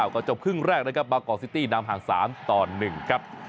ก็จบครึ่งแรกนะครับบากอล์ซซิตี้นำหา๓ตอนหนึ่งครับ